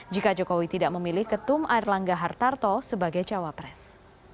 jika jokowi tidak memilih ketum air langga hartarto sebagai cawapres